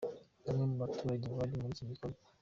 Bamwe mu baturage bari muri iki gikorwa.